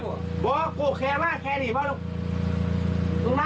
กูโทษนั้นหลวงแม่ไปกันกัน